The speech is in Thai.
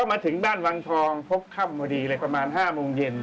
มาถึงบ้านวังทองพบค่ำพอดีเลยประมาณ๕โมงเย็น